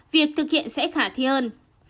việc thực hiện sẽ khả thi hơn